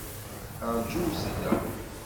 Rǧumt da!